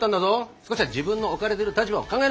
少しは自分の置かれてる立場を考えなさい。